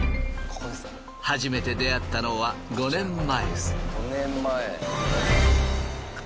初めて出会ったのは５年前。